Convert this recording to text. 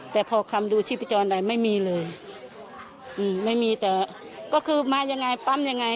แต่พอคำดูชีพจรอะไรไม่มีเลยอืมไม่มีแต่ก็คือมายังไงปั๊มยังไง